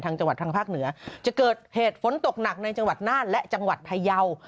จังหวัดทางภาคเหนือจะเกิดเหตุฝนตกหนักในจังหวัดน่านและจังหวัดพยาว